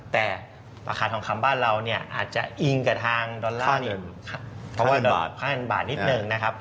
แต่ราคาทองคำบ้านเราอาจจะอิงกับทางดอลลาร์๑บาทนิดหนึ่ง